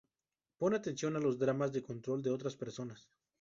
Pon atención a los dramas de control de otras personas.